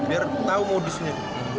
biar tahu modusnya